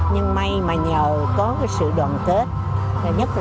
nhưng may mà nhờ có cái sự đoàn kết